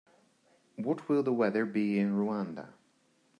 What will the weather be in Rwanda?